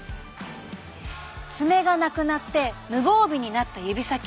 爪がなくなって無防備になった指先。